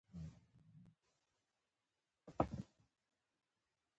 ځیني قیدونه ګرامري اړخ لري؛ نه قاموسي.